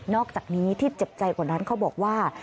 อกจากนี้ที่เจ็บใจกว่านั้นเขาบอกว่า